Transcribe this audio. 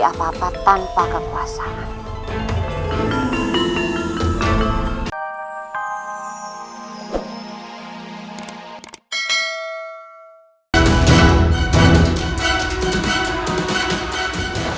apa apa tanpa kepuasan